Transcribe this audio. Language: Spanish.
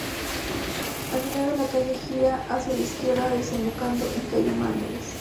Al final de la calle, gira hacia la izquierda, desembocando en calle Mármoles.